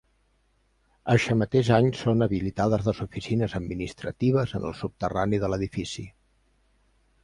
Eixe mateix any són habilitades les oficines administratives en el subterrani de l'edifici.